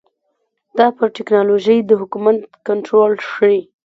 دا پر ټکنالوژۍ د حکومت کنټرول ښيي.